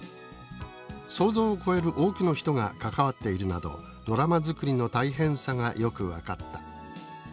想像を超える多くの人が関わっているなどドラマ作りの大変さがよく分かった」